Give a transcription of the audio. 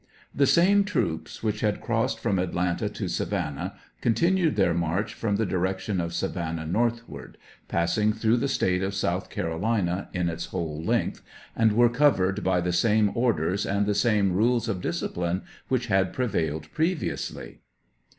The 8ame troops which had crossed from Atlanta to Savannah continued their march from the direction of Savannah northward, passing through the State of South Carolina in its whole length, and were Covered by the same orders and the same rules of discipline which had prevailed previously.